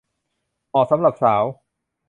เหมาะสำหรับสาว